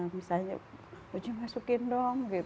misalnya masukin dong